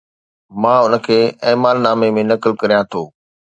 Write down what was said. مان ان کي اعمال نامي ۾ نقل ڪريان ٿو